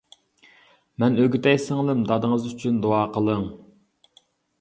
مەن ئۆگىتەي سىڭلىم، دادىڭىز ئۈچۈن دۇئا قىلىڭ.